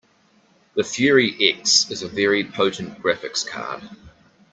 The Fury X is a very potent graphics card.